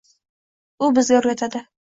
U bizga o'rgatadi